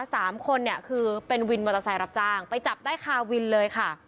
สามคนเนี่ยคือเป็นวินมอเตอร์ไซค์รับจ้างไปจับได้คาวินเลยค่ะ